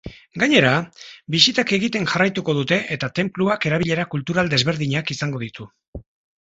Gainera, bisitak egiten jarraituko dute eta tenpluak erabilera kultural desberdinak izango ditu.